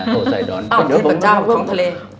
อ๋อพระเจ้าของทะเล